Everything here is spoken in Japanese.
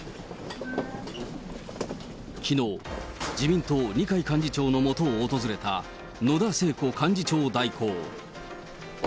きのう、自民党、二階幹事長のもとを訪れた野田聖子幹事長代行。